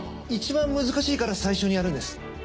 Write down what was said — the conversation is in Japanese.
いちばん難しいから最初にやるんです。